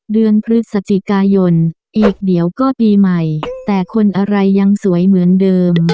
เดือนพฤศจิกายนอีกเดี๋ยวก็ปีใหม่แต่คนอะไรยังสวยเหมือนเดิม